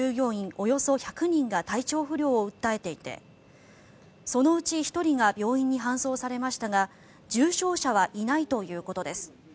およそ１００人が体調不良を訴えていてそのうち１人が病院に搬送されましたが重症者はいないということです。